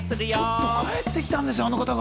ちょっと帰ってきたんですよ、あの方が。